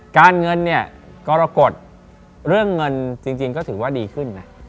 การเงินเนี่ยกรกฎเรื่องเงินจริงก็ถือว่าดีขึ้นนะ